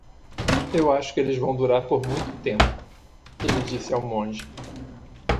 "Eu acho que eles vão durar por muito tempo?" ele disse ao monge.